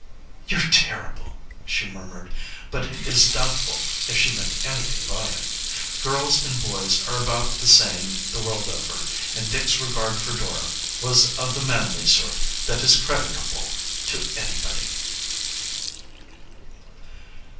"You're terrible!" she murmured, but it is doubtful if she meant anything by it. Girls and boys are about the same the world over and Dick's regard for Dora was of the manly sort that is creditable to anybody.